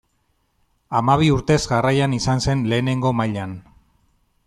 Hamabi urtez jarraian izan zen lehenengo mailan.